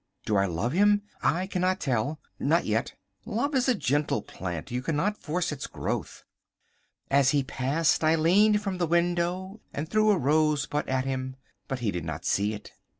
Do I love him? I cannot tell. Not yet. Love is a gentle plant. You cannot force its growth. As he passed I leaned from the window and threw a rosebud at him. But he did not see it.